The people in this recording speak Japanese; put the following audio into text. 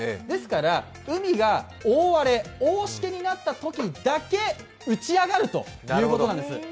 ですから、海が大荒れ、大しけになったときだけ打ち上がるということなんです。